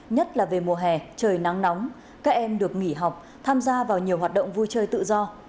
các em được nghỉ học tham gia vào nhiều hoạt động vui chơi tự do